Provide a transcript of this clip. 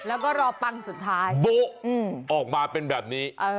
แล้วก็รอปังสุดท้ายโบ๊ะออกมาเป็นแบบนี้